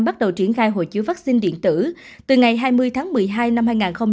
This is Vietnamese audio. bắt đầu triển khai hộ chiếu vaccine điện tử từ ngày hai mươi tháng một mươi hai năm hai nghìn hai mươi một